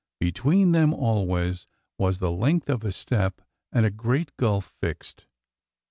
Between them always was the length of the step and a great gulf fixed.